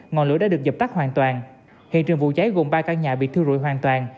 ngọn lửa đã được dập tắt hoàn toàn hiện trường vụ cháy gồm ba căn nhà bị thiêu rụi hoàn toàn